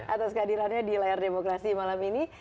atas kehadirannya di layar demokrasi malam ini